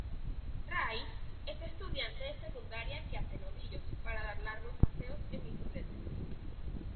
Rai es estudiante de secundaria que hace novillos para dar largos paseos en bicicleta.